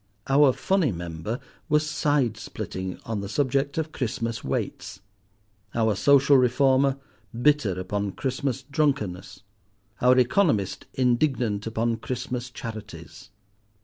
Our funny member was side splitting on the subject of Christmas Waits; our social reformer bitter upon Christmas drunkenness; our economist indignant upon Christmas charities.